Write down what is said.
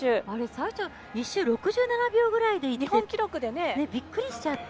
１周６７秒ぐらいで日本記録ぐらいでびっくりしちゃって。